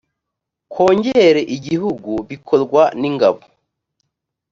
kongere igihugu bikorwa ningabo